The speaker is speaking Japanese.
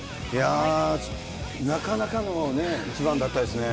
なかなかの一番だったですね。